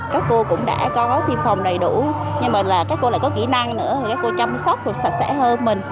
các cô cũng đã có thi phòng đầy đủ nhưng mà các cô lại có kỹ năng nữa các cô chăm sóc sạch sẽ hơn mình